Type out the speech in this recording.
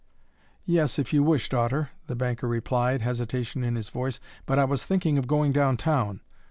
"Yes, if you wish it, daughter," the banker replied, hesitation in his voice, "but I was thinking of going down town."